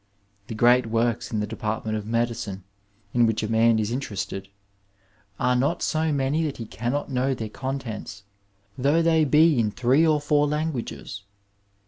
The great works in the department of medicine in which a man is interested, are not so many that he cannot know their contents, though they be in three or four languages.